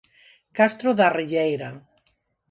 Castro da Rilleira.